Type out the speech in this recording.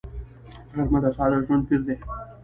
غرمه د ساده ژوندي پېر دی